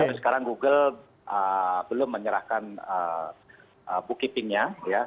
tapi sekarang google belum menyerahkan bookkeepingnya